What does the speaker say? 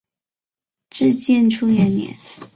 至建初元年。